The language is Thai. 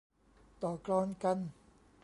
ต่อกลอนกัน